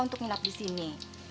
untuk nginep disini